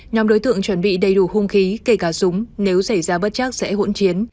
nhóm đối tượng chuẩn bị đầy đủ hung khí kể cả súng nếu xảy ra bất chắc sẽ hỗn chiến